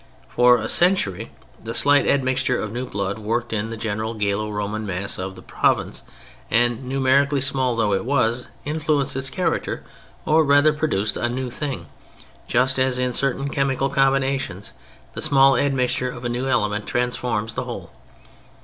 For a century the slight admixture of new blood worked in the general Gallo Roman mass of the province and, numerically small though it was, influenced its character, or rather produced a new thing; just as in certain chemical combinations the small admixture of a new element transforms the whole.